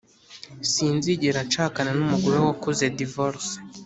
Sinzigera nshakana numugore wakoze divorce